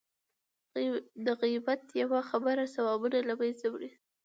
د غیبت یوه خبره ثوابونه له منځه وړي.